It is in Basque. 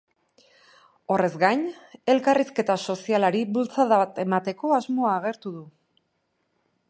Horrez gain, elkarrizketa sozialari bultzada bat emateko asmoa agertu du.